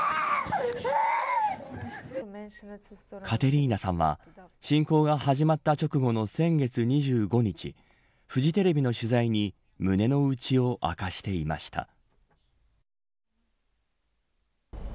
カテリーナさんは侵攻が始まった直後の先月２５日フジテレビの取材に胸の内を明かしていました。